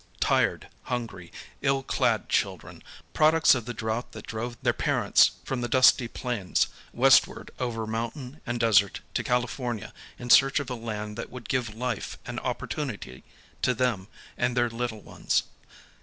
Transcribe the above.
Tired, hungry, ill clad children, products of the drought that drove their parents from the dusty plains, westward over mountain and desert to California in search of a land that would give life and oppor tunity to them and their little ones.